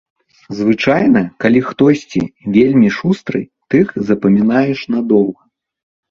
Звычайна, калі хтосьці вельмі шустры, тых запамінаеш надоўга.